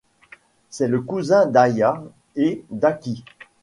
C'est le cousin d'Aya et d'Aki.